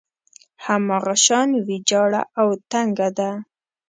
هماغه شان ويجاړه او تنګه ده.